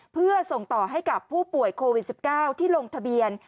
เพื่อส่งต่อให้กับผู้ป่วยโควิด๑๙ที่ลงทะเบียน